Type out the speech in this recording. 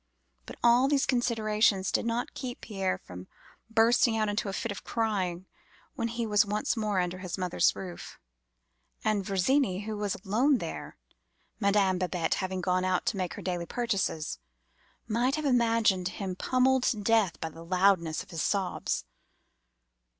But all these considerations did not keep Pierre from bursting out into a fit of crying when he was once more under his mother's roof; and Virginie, who was alone there (Madame Babette having gone out to make her daily purchases), might have imagined him pommeled to death by the loudness of his sobs.